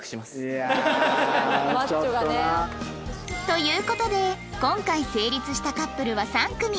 という事で今回成立したカップルは３組